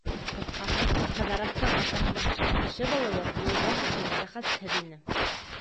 Ҡыҫҡаһы, Ҡыҙырастың атаһының шәп кеше булыуы Юлдаш өсөн бәхәсһеҙ ине.